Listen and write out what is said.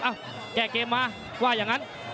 อ้าวแก่เกมมาว่าอย่างนั้น